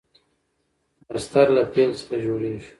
مصدر له فعل څخه جوړیږي.